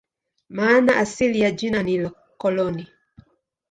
Maana asili ya jina ni "koloni".